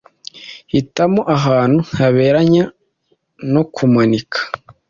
hitamo ahantu haberanye no kumanika